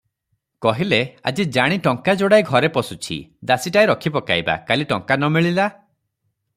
କହିଲେ, "ଆଜି ଜାଣି ଟଙ୍କା ଯୋଡ଼ାଏ ଘରେ ପଶୁଛି, ଦାସୀଟାଏ ରଖି ପକାଇବା, କାଲି ଟଙ୍କା ନ ମିଳିଲା!